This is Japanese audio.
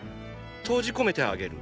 閉じ込めてあげる。